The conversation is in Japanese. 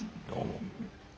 どうも。